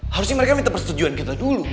harusnya mereka minta persetujuan kita dulu